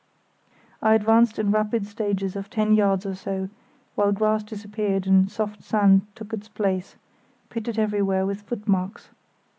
I advanced in rapid stages of ten yards or so, while grass disappeared and soft sand took its place, pitted everywhere with footmarks.